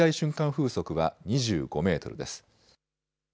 風速は２５メートルです。